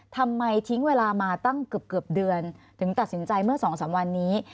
ทำไมทิ้งเวลามาตั้งเกือบเดือนถึงตัดสินใจเมื่อ๒๓วันนี้